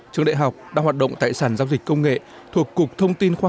trường đại học đang hoạt động tại sản giao dịch công nghệ thuộc cục thông tin khoa học